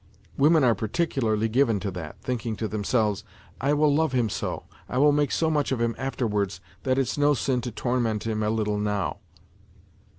Women are particularly given to that, thinking to themselves ' I will love him so, I will make so much of him afterwards, that it's no sin to torment him a little now.'